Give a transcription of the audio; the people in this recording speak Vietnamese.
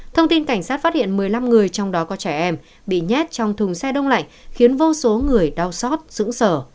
thông tin cảnh sát phát hiện một mươi năm người trong đó có trẻ em bị nhét trong thùng xe đông lạnh khiến vô số người đau xót dững sở